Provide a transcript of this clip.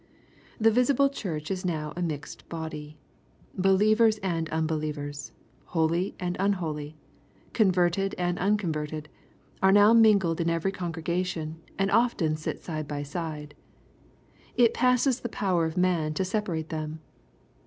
'' The visible Church is now a mixed body. Believers and unbelievers, holy and unholy, converted and uncon verted, are now mingled in every congregation, and often sit side by side. It passes the power of man to separate them.